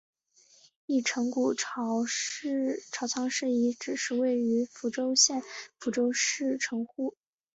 一乘谷朝仓氏遗迹是位于福井县福井市城户之内町的日本战国时代的古迹。